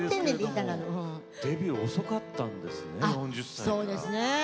デビューが遅かったんですね、４０歳で。